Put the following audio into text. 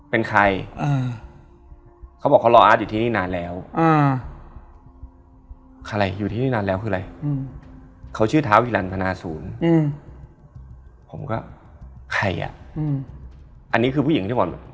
เป็นผู้จัดการ